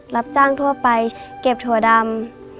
รับจ้างทั่วไปเก็บถั่วดำ